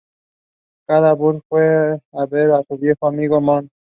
Ducaud-Bourget fue a ver a su viejo amigo Mons.